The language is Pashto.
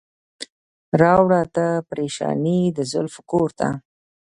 راوړه تا پریشاني د زلفو کور ته.